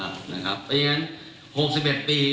ถูกไหม